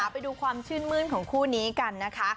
ไปดูความชื่นมื้นของคู่นี้กันนะคะ